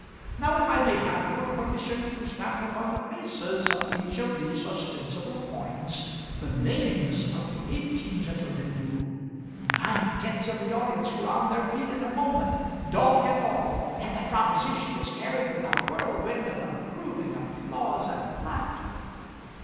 Now if I may have your permission to stamp upon the faces of each of these ostensible coins the names of the eighteen gentlemen who " Nine tenths of the audience were on their feet in a moment dog and all and the proposition was carried with a whirlwind of approving applause and laughter.